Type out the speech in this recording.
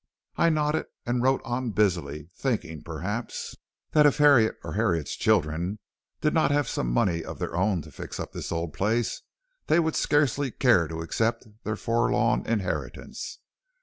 "I nodded and wrote on busily, thinking, perhaps, that if Harriet or Harriet's children did not have some money of their own to fix up this old place, they would scarcely care to accept their forlorn inheritance.